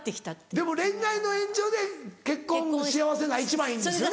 でも恋愛の延長で結婚幸せが一番いいんですよね。